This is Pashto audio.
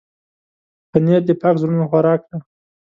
پنېر د پاک زړونو خوراک دی.